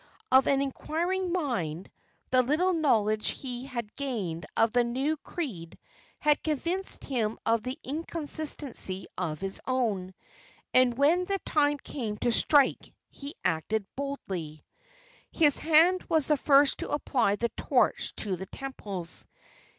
Of an inquiring mind, the little knowledge he had gained of the new creed had convinced him of the inconsistency of his own, and when the time came to strike he acted boldly. His hand was the first to apply the torch to the temples.